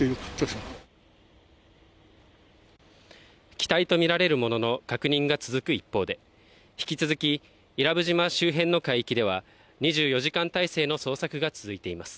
機体とみられるものの確認が続く一方で、引き続き伊良部島周辺の海域では、２４時間態勢の捜索が続いています。